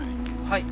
はい。